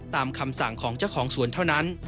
ตามคำสั่งของเจ้าของสวนเท่านั้น